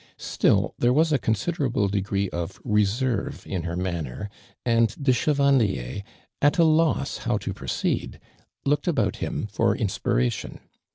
Still, there was a considerable degree of reserve in her manner, and de Chevandier, at a loss how to proceed, looked about him for in spiration.